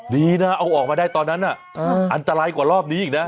ดีนะเอาออกมาได้ตอนนั้นอันตรายกว่ารอบนี้อีกนะ